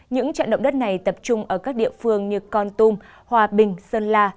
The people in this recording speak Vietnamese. những trận động đất này tập trung ở các địa phương như con tum hòa bình sơn la